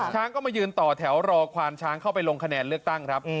ช้างก็มายืนต่อแถวรอควานช้างเข้าไปลงคะแนนเลือกตั้งครับ